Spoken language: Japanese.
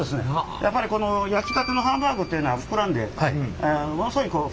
やっぱりこの焼きたてのハンバーグっていうのは膨らんでものすごいふっくらした。